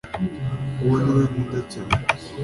uwo niwe nkunda cyane